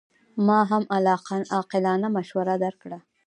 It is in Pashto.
ما هم عاقلانه مشوره درکړه.